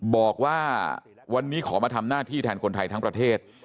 บอกว่าวันนี้ขอมาทำหน้าที่แทนคนไทยทั้งประเทศ